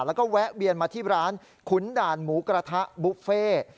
แล้วก็แวะเวียนมาที่ร้านขุนด่านหมูกระทะบุฟเฟ่